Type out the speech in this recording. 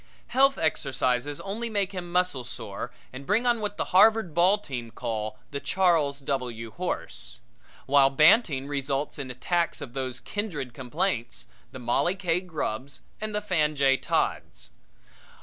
Health exercises only make him muscle sore and bring on what the Harvard ball team call the Charles W. Horse; while banting results in attacks of those kindred complaints the Mollie K. Grubbs and the Fan J. Todds.